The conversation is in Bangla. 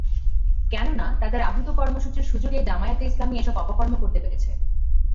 কেননা, তাদের আহূত কর্মসূচির সুযোগেই জামায়াতে ইসলামী এসব অপকর্ম করতে পেরেছে।